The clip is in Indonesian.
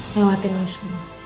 lewatin ini semua